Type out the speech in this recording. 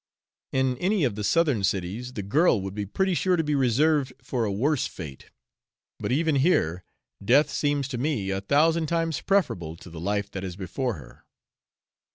In any of the southern cities the girl would be pretty sure to be reserved for a worse fate; but even here, death seems to me a thousand times preferable to the life that is before her.